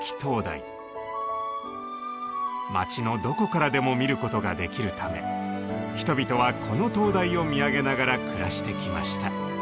町のどこからでも見ることができるため人々はこの灯台を見上げながら暮らしてきました。